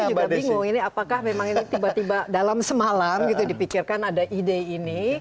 saya juga bingung ini apakah memang ini tiba tiba dalam semalam gitu dipikirkan ada ide ini